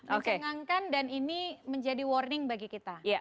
dikenangkan dan ini menjadi warning bagi kita